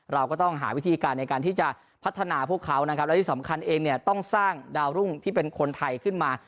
เราก็ต้องหาวิธีการในการที่จะพัฒนาพวกเขานะครับและที่สำคัญเองเนี่ยต้องสร้างดาวรุ่งที่เป็นคนไทยขึ้นมา